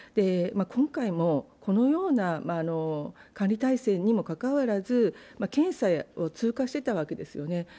今回もこのような管理体制にもかかわらず検査を通過していたわけですよね。